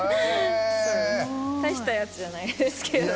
大したやつじゃないですけど。